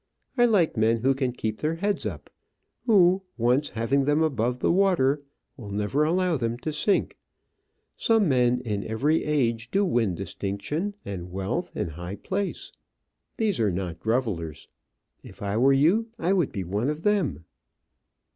I like men who can keep their heads up who, once having them above the water, will never allow them to sink. Some men in every age do win distinction and wealth and high place. These are not grovellers. If I were you I would be one of them."